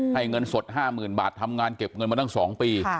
เงินสด๕๐๐๐บาททำงานเก็บเงินมาตั้ง๒ปี